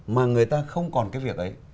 mà người ta không còn cái việc ấy